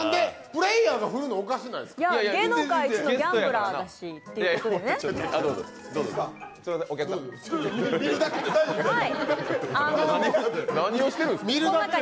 プレーヤーが振るの、おかしくないですか？